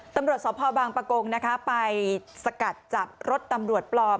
ตำรวจสภบางปะกงนะคะไปสกัดจับรถตำรวจปลอม